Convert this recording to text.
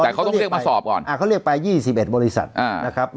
แต่เขาต้องเรียกมาสอบก่อนเขาเรียกไป๒๑บริษัทนะครับ